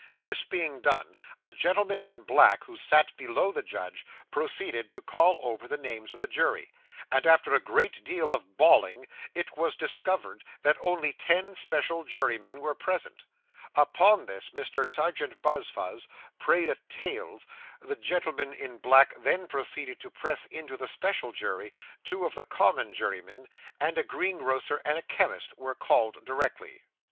This being done, a gentleman in black, who sat below the judge, proceeded to call over the names of the jury; and after a great deal of bawling, it was discovered that only ten special jurymen were present. Upon this, Mr. Serjeant Buzfuz prayed a tales; the gentleman in black then proceeded to press into the special jury, two of the common jurymen; and a greengrocer and a chemist were caught directly.